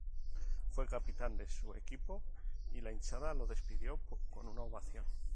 Fue capitán de su equipo y la hinchada lo despidió con una ovación.